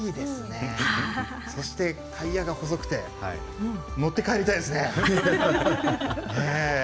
タイヤが細くて乗って帰りたいですね。